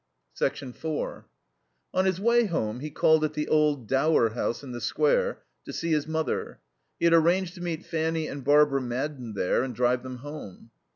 4 On his way home he called at the Old Dower House in the Square to see his mother. He had arranged to meet Fanny and Barbara Madden there and drive them home.